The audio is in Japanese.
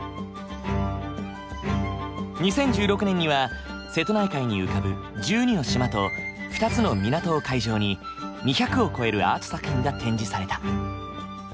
２０１６年には瀬戸内海に浮かぶ１２の島と２つの港を会場に２００を超えるアート作品が展示された。